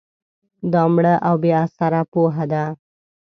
دا مړه او بې اثره پوهه ده